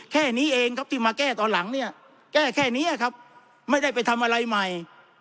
แค่นี้เองครับที่มาแก้ตอนหลังเนี่ยแก้แค่นี้ครับไม่ได้ไปทำอะไรใหม่